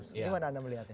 gimana anda melihatnya